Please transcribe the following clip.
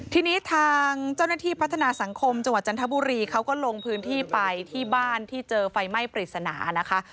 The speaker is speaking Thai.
ทีนี้ทางเจ้าหน้าที่พัฒนาสังคมจังหวัดจันทบุรีเขาก็ลงพื้นที่ไปที่บ้านที่เจอไฟไหม้ปริศนานะคะ